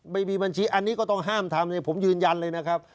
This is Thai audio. ไม่มีบัญชีอันนี้ก็ต้องห้ามทำผมยืนยันเลยนะครับ